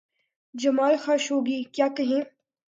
جمال Khashoggi… کیا کہیں؟